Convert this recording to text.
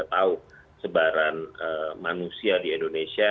kita tahu sebaran manusia di indonesia